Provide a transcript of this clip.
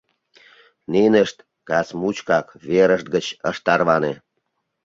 Нинышт кас мучкак верышт гыч ышт тарване.